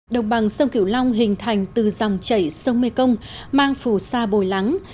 đồng bằng sông kiểu long hình thành từ dòng chảy sông mê công mang phù sa bồi lắng